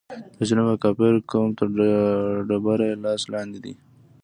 د ظلم او کافر قوم تر ډبره یې لاس لاندې دی.